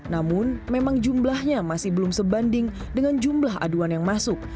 namun memang jumlahnya masih belum sebanding dengan jumlah aduan yang masuk